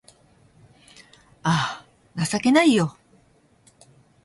あぁ、情けないよ